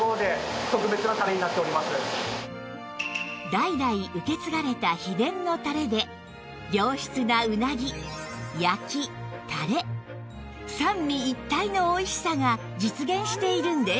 代々受け継がれた秘伝のたれで良質なうなぎ焼きたれ三位一体のおいしさが実現しているんです